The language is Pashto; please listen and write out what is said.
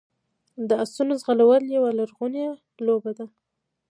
د اسونو ځغلول یوه لرغونې لوبه ده.